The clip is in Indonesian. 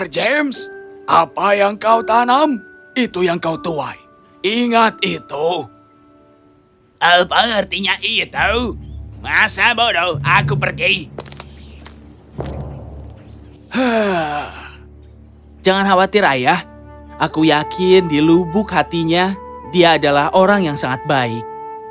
jangan khawatir ayah aku yakin di lubuk hatinya dia adalah orang yang sangat baik